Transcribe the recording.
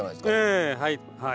ええはいはい。